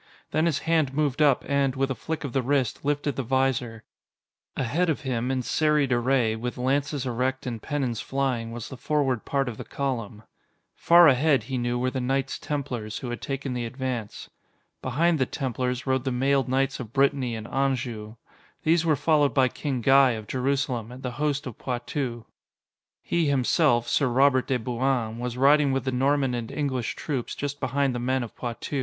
Then his hand moved up and, with a flick of the wrist, lifted the visor. Ahead of him, in serried array, with lances erect and pennons flying, was the forward part of the column. Far ahead, he knew, were the Knights Templars, who had taken the advance. Behind the Templars rode the mailed knights of Brittany and Anjou. These were followed by King Guy of Jerusalem and the host of Poitou. He himself, Sir Robert de Bouain, was riding with the Norman and English troops, just behind the men of Poitou.